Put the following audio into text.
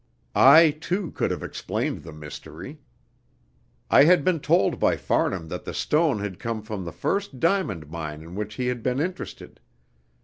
I, too, could have explained the "mystery." I had been told by Farnham that the stone had come from the first diamond mine in which he had been interested.